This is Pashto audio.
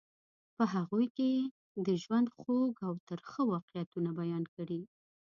په هغوی کې یې د ژوند خوږ او ترخه واقعیتونه بیان کړي.